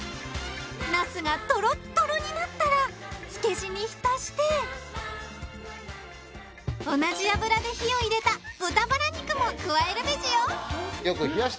ナスがとろっとろになったらつけ地に浸して同じ油で火を入れた豚バラ肉も加えるベジよ